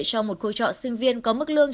cho một khu trọ sinh viên có mức lương